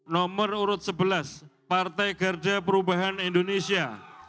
nomor urut sebelas partai garda perubahan indonesia